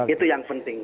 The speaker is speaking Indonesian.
itu yang penting